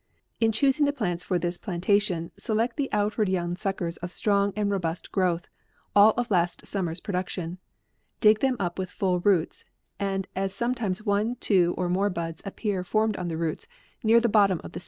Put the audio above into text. " In choosing the plants fortius plantation, select the outward young suckers of strong and robust growth, all of last summer's pro duction : dig them up with full roots ; and as sometimes one, two, or more buds appear formed on the roots, near the bottom of the E 50 APRIL.